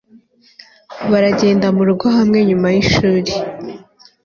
baragenda murugo hamwe nyuma yishuri